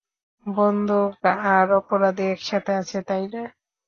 বন্দুক আর অপরাধী একসাথে আছে, তাই না?